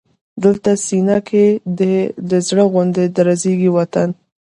دلته سینه کې دی د زړه غوندې درزېږي وطن